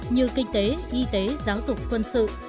như kinh tế y tế giáo dục quân sự